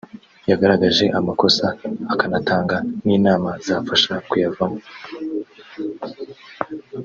yagaragaje amakosa akanatanga n’inama zafasha kuyavamo